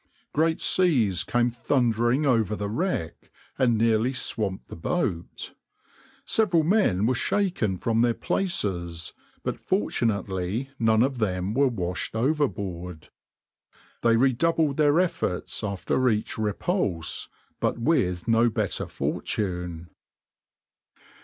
Great seas came thundering over the wreck and nearly swamped the boat. Several men were shaken from their places, but fortunately none of them were washed overboard. They redoubled their efforts after each repulse, but with no better fortune.